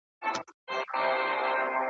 زما لا مغروره ککرۍ دروېزه نه قبلوي ,